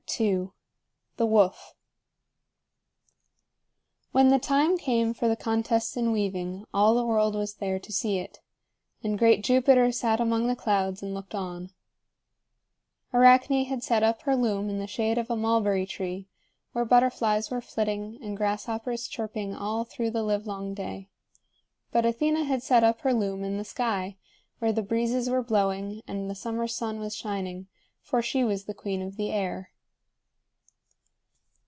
II. THE WOOF. When the time came for the contest in weaving, all the world was there to see it, and great Jupiter sat among the clouds and looked on. Arachne had set up her loom in the shade of a mulberry tree, where butterflies were flitting and grasshoppers chirping all through the livelong day. But Athena had set up her loom in the sky, where the breezes were blowing and the summer sun was shining; for she was the queen of the air.